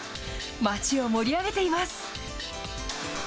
街を盛り上げています。